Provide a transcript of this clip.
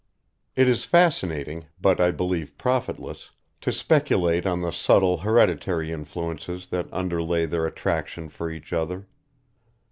It is fascinating, but I believe profitless, to speculate on the subtle hereditary influences that underlay their attraction for each other.